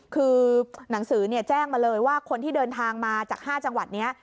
คือหนังสือแจ้งมาเลยว่าคนที่เดินทางมาจาก๕จังหวัดนี้